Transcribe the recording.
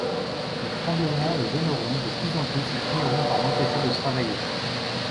Les tremblements le gêneront de plus en plus et finiront par l’empêcher de travailler.